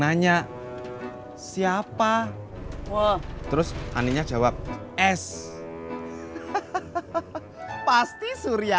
nanya siapa wow terus aninya jawab es hahaha pasti surya